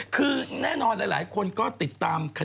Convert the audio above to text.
คือแน่นอนหลายคนก็ติดตาม